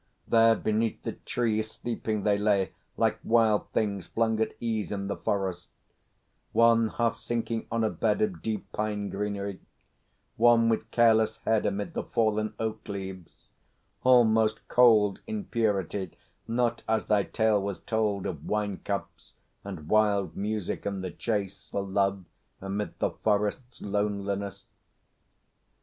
There beneath the trees Sleeping they lay, like wild things flung at ease In the forest; one half sinking on a bed Of deep pine greenery; one with careless head Amid the fallen oak leaves; all most cold In purity not as thy tale was told Of wine cups and wild music and the chase For love amid the forest's loneliness.